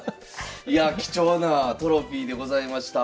いやあ貴重なトロフィーでございました。